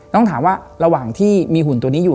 ต้องถามว่าระหว่างที่มีหุ่นตัวนี้อยู่